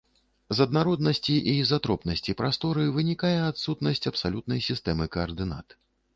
З аднароднасці і ізатропнасці прасторы вынікае адсутнасць абсалютнай сістэмы каардынат.